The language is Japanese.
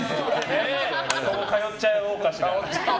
ここ通っちゃおうかしら。